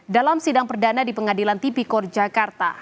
dalam sidang perdana di pengadilan tipikor jakarta